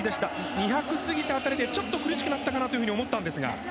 ２００過ぎた辺りで苦しくなったかなと思ったんですが。